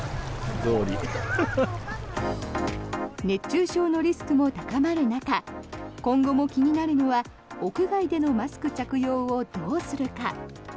熱中症のリスクも高まる中今後も気になるのは屋外でのマスク着用をどうするか。